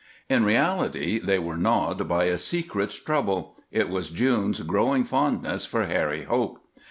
In reality they were gnawed by a secret trouble it was June's growing fondness for Harry Hope.